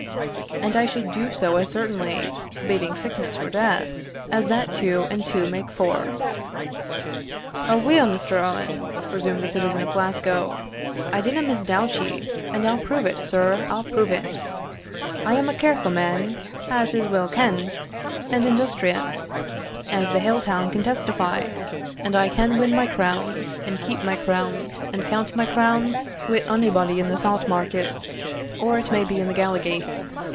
"And I should do so as certainly, bating sickness or death, as that two and two make four." "Aweel, Mr. Owen," resumed the citizen of Glasgow, "I dinna misdoubt ye, and I'll prove it, sir I'll prove it. I am a carefu' man, as is weel ken'd, and industrious, as the hale town can testify; and I can win my crowns, and keep my crowns, and count my crowns, wi' onybody in the Saut Market, or it may be in the Gallowgate.